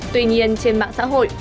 tuy nhiên trên mạng xã hội